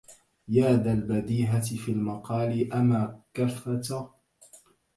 يا ذا البديهة في المقال أما كفت